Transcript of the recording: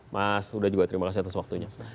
mas huda juga terima kasih atas waktunya